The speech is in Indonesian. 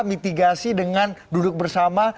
mitigasi dengan duduk bersama